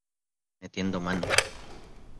Metiendo Mano!